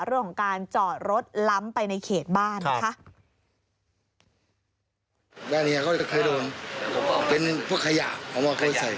เรื่องของการจอดรถล้ำไปในเขตบ้านนะคะ